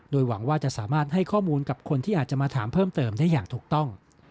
โดยหวังว่าจะสามารถให้ข้อมูลกับคนที่อาจจะมาถามเพิ่มเติมได้อย่างถูกต้อง